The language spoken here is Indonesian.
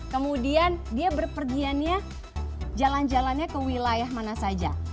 kemudian dia berpergiannya jalan jalannya ke wilayah mana saja